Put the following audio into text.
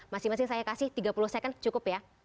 masing masing saya kasih tiga puluh second cukup ya